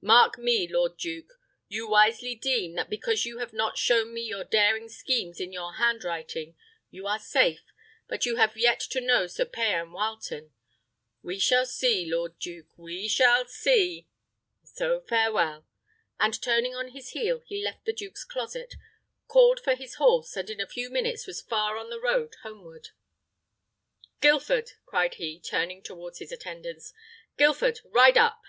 "Mark me, lord duke: you wisely deem, that because you have not shown me your daring schemes in your hand writing, you are safe, but you have yet to know Sir Payan Wileton. We shall see, lord duke! we shall see! So, farewell!" and turning on his heel, he left the duke's closet, called for his horse, and in a few minutes was far on the road homeward. "Guilford," cried he, turning towards his attendants, "Guilford, ride up."